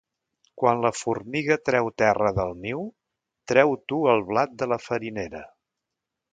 Quan la formiga treu terra del niu, treu tu el blat de la farinera.